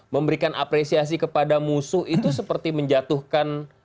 memberikan apresiasi kepada musuh itu seperti menjatuhkan